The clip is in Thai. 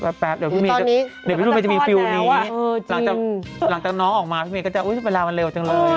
เดี๋ยวพี่บุญแมนจะมีฟิวนี้หลังจากน้องออกมาพี่บุญแมนก็จะอุ๊ยเวลามันเร็วจังเลย